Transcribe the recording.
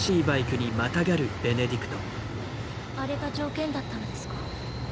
あれが条件だったのですか？